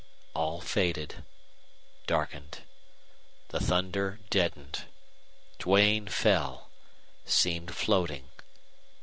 All faded, darkened. The thunder deadened. Duane fell, seemed floating.